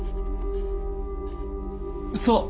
そう！